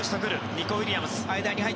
ニコ・ウィリアムズ。